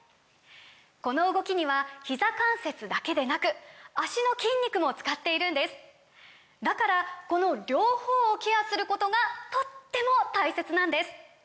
この動きにはひざ関節だけでなく脚の筋肉も使っているんですだからこの両方をケアすることがとっても大切なんです！